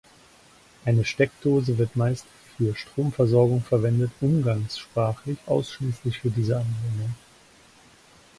Eine Steckdose wird meist für Stromversorgung verwendet, umgangssprachlich ausschließlich für diese Anwendung.